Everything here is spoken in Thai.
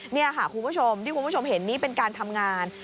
นี่ค่ะคุณผู้ชมที่คุณผู้ชมเห็นนี่เป็นการทำงาน